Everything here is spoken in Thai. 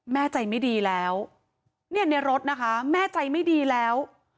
แม่ใจไม่ดีแล้วเนี่ยในรถนะคะแม่ใจไม่ดีแล้ว